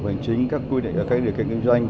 hành chính các quy định về kinh doanh